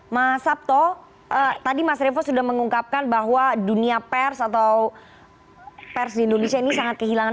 mas sabto tadi mas revo sudah mengungkapkan bahwa dunia pers atau pers di indonesia ini sangat kehilangan